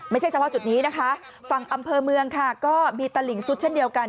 ไม่ใช่เฉพาะจุดนี้นะคะฝั่งอำเภอเมืองค่ะก็มีตลิ่งซุดเช่นเดียวกัน